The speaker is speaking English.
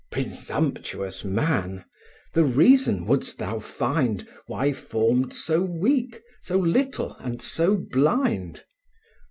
II. Presumptuous man! the reason wouldst thou find, Why formed so weak, so little, and so blind?